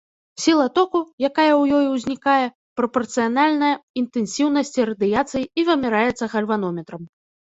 Сіла току, якая ў ёй узнікае, прапарцыянальная інтэнсіўнасці радыяцыі і вымяраецца гальванометрам.